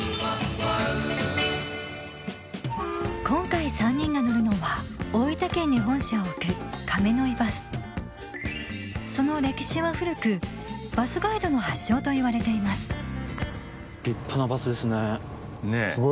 今回３人が乗るのは大分県に本社を置く亀の井バスその歴史は古くバスガイドの発祥といわれています